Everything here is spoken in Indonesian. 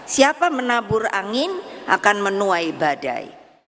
siapa menabur angin akan menuai badai